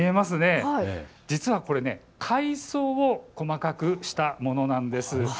実はこれ、海藻を細かくしたものなんです。